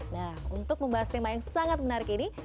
nah untuk membahas tema yang sangat menarik ini